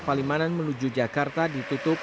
palimanan menuju jakarta ditutup